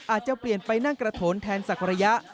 อาจจะเปลี่ยนไปนั่งกระโถนแทนสักระยะ